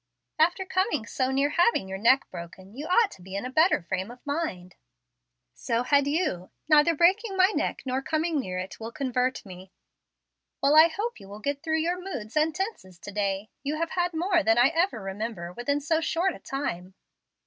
"After coming so near having your neck broken, you ought to be in a better frame of mind." "So had you. Neither breaking my neck nor coming near it will convert me." "Well, I hope you will get through your moods and tenses to day. You have had more than I ever remember within so short a time."